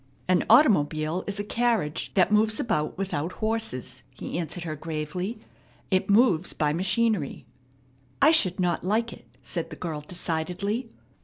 "An automobile is a carriage that moves about without horses," he answered her gravely. "It moves by machinery." "I should not like it," said the girl decidedly.